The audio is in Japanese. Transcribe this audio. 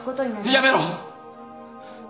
やめろ。